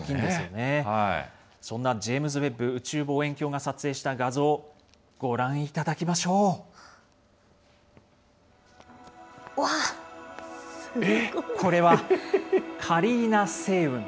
そんなジェームズ・ウェッブ宇宙望遠鏡が撮影した画像、ご覧いたうわっ。これはカリーナ星雲。